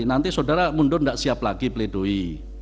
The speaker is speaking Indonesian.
nanti saudara mundur tidak siap lagi pledoi